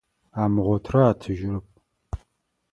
Амыгъотырэ атыжьырэп.